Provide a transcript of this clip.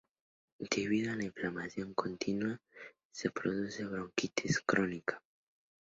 Debido a la inflamación continua se produce bronquitis crónica.